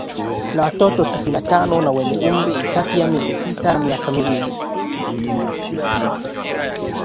la watoto tisini na tano wenye umri kati ya miezi sita na miaka miwili